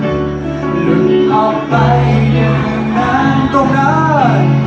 หลุดออกไปอยู่นานตรงนั้น